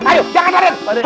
ayo jangan berantem